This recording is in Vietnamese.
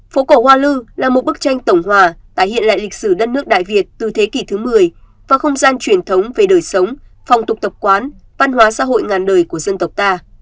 phố cổ hoa lư là một bức tranh tổng hòa tái hiện lại lịch sử đất nước đại việt từ thế kỷ thứ một mươi và không gian truyền thống về đời sống phong tục tập quán văn hóa xã hội ngàn đời của dân tộc ta